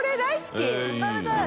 食べたい！